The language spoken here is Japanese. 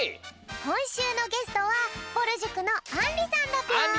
こんしゅうのゲストはぼる塾のあんりさんだぴょん。